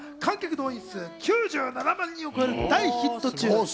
およそ９７万人を超える大ヒット中。